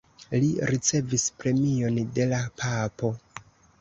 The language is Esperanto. Li ricevis premion de la papo.